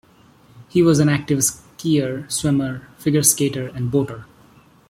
He was an active skier, swimmer, figure skater and boater.